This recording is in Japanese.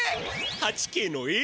８Ｋのえい